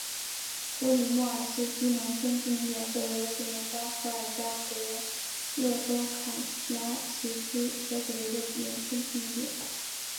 普里莫尔斯基农村居民点是俄罗斯联邦伏尔加格勒州卡拉奇区所属的一个农村居民点。